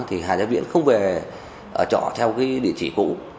thì hà gia viễn không về ở trọ theo cái địa chỉ cũ